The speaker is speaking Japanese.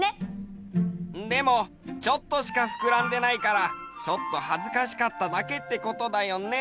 でもちょっとしかふくらんでないからちょっとはずかしかっただけってことだよね？